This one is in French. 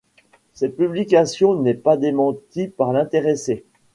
Cette publication n'est pas démentie par l'intéressé.